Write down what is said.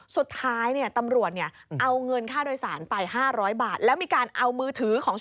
มันมีอย่างกว่านว่าอยู่ภูมิกว้านหรือเปล่า